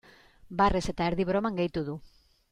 Barrez eta erdi broman gehitu du.